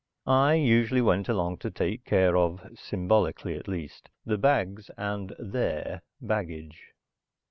I usually went along to take care of symbolically, at least the bags and (their) baggage.